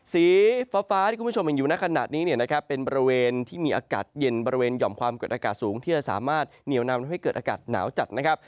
สีฟ้าที่คุณผู้ชมเห็นอยู่ในขณะนี้เนี่ยนะครับเป็นบริเวณที่มีอากาศเย็นบริเวณหย่อมความกดอากาศสูงที่จะสามารถเหนียวนำให้เกิดอากาศหนาวจัดนะครับ